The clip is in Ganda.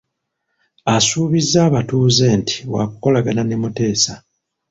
Asuubizza abatuuze nti waakukolagana ne Muteesa.